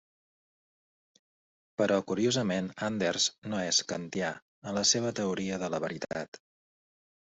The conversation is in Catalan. Però curiosament Anders no és kantià en la seva teoria de la veritat.